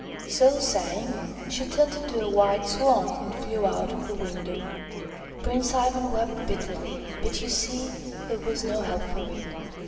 So saying, she turned into a white swan and flew out of the window. Prince Ivan wept bitterly, but you see there was no help for it.